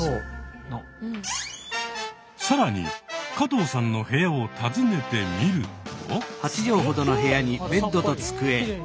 更に加藤さんの部屋を訪ねてみると。